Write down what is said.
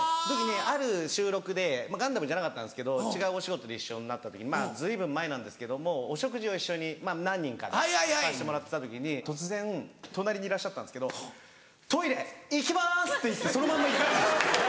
ある収録で『ガンダム』じゃなかったんですけど違うお仕事で一緒になった時に随分前なんですけどもお食事を一緒に何人かでさせてもらってた時に突然隣にいらっしゃったんですけど「トイレ行きます！」って言ってそのまんま行かれたんですよ。